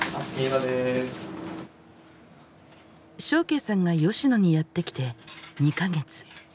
祥敬さんが吉野にやって来て２か月。